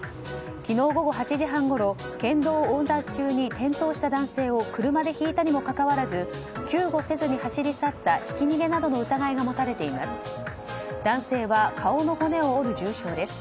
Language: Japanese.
昨日午後８時半ごろ県道を横断中に転倒した男性を車でひいたにもかかわらず救護せずに走り去ったひき逃げなどの疑いが持たれています。